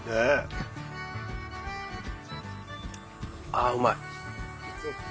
ああうまい。